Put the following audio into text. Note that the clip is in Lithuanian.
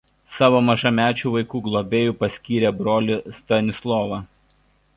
Savo mažamečių vaikų globėju paskyrė brolį Stanislovą.